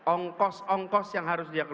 ongkos ongkos yang harus dilakukan